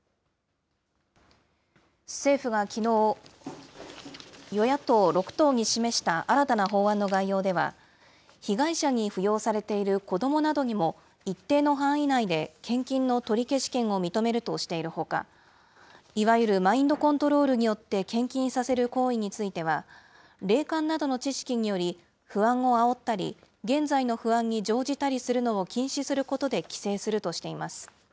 政府がきのう、与野党６党に示した新たな法案の概要では、被害者に扶養されている子どもなどにも、一定の範囲内で献金の取消権を認めるとしているほか、いわゆるマインドコントロールによって献金させる行為については、霊感などの知識により、不安をあおったり、現在の不安に乗じたりするのを禁止することで規制するとしています。